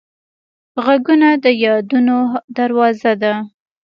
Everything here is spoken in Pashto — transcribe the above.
غږونه د یادونو دروازه ده